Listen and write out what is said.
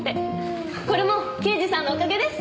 これも刑事さんのおかげです！